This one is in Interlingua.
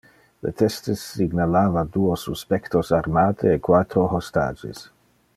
Le testes signalava duo suspectos armate e quatro hostages.